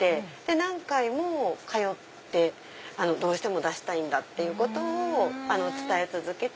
何回も通ってどうしても出したいってことを伝えて続けて。